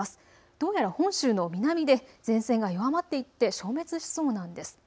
どうやら本州の南で前線が弱まっていって消滅しそうなんです。